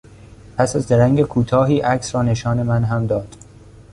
پس از درنگ کوتاهی عکس را نشان من هم داد.